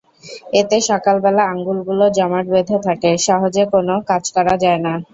এতে সকালবেলা আঙুলগুলো জমাট বেঁধে থাকে, সহজে কোনো কাজ করা যায় না।